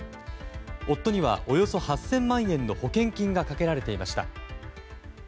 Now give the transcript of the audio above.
夫には、およそ８０００万円の保険金が掛けられていました。